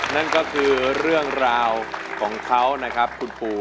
นั่นก็คือเรื่องราวของเขานะครับคุณปู